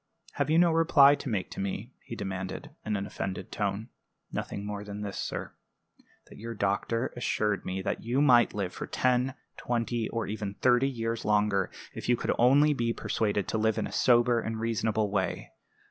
"Have you no reply to make to me?" he demanded, in an offended tone. "Nothing more than this, sir that your doctor assured me that you might live for ten, twenty, or even thirty years longer, if you could only be persuaded to live in a sober and reasonable way.